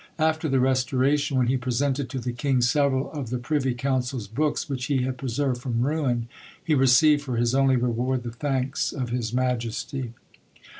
After the Restoration, when he presented to the king several of the privy council's books, which he had preserved from ruin, he received for his only reward the thanks of his majesty.